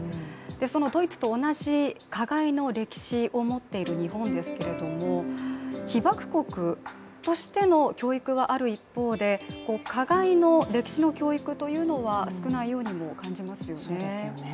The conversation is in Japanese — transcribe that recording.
そのドイツと同じ加害の歴史を持っている日本ですけれども被爆国としての教育はある一方で加害の歴史の教育というのは少ないようにも感じますよね。